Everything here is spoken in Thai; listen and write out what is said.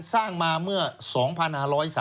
สร้างมาเมื่อ๒๑๓๐บาท